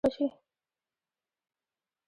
کله چې په کلي یا ولس کې چا ته لانجه ورپېښه شي.